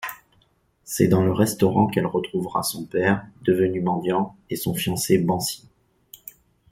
C'est dans le restaurant qu'elle retrouvera son père, devenu mendiant, et son fiancé Bansi.